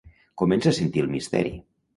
Comença a sentir el misteri.